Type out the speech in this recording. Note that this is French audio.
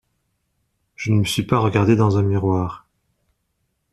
Je ne me suis pas regardé dans un miroir